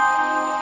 aku mau ke rumah